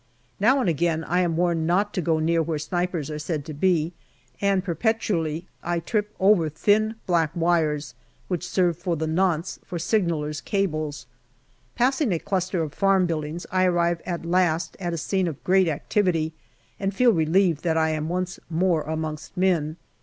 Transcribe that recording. Now and again I am warned not to go near where snipers are said to be, and perpetually I trip over thin black wires, which serve for the nonce for signallers' cables. Passing a cluster of farm buildings, I arrive at last at a scene of great activity and feel relieved that I am once more amongst men.